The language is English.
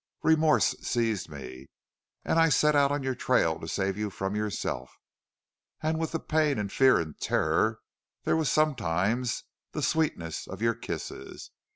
Remorse seized me. And I set out on your trail to save you from yourself. And with the pain and fear and terror there was sometimes the the sweetness of your kisses.